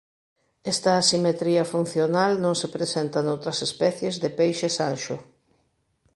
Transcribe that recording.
Esta asimetría funcional non se presenta noutras especies de peixes anxo.